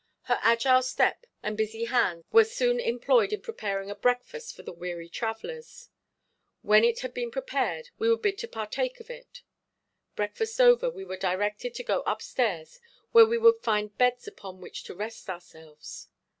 Her agile step and busy hands were soon employed in preparing a breakfast for the weary travelers. When it had been prepared we were bid to partake of it. Breakfast over we were directed to go up stairs where we would find beds upon which to rest ourselves.